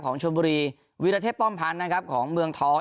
ชมบุรีวิรเทพป้อมพันธ์นะครับของเมืองทอง